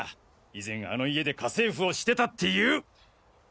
以前あの家で家政婦をしてたっていう。